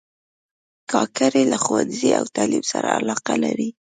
کاکړي له ښوونځي او تعلیم سره علاقه لري.